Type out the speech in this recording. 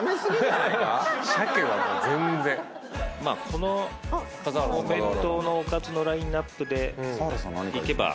このお弁当のおかずのラインアップでいけば。